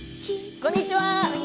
こんにちは。